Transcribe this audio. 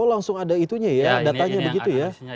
oh langsung ada itunya ya datanya begitu ya